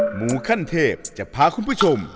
หมูขั้นเทพจะพาคุณผู้ชม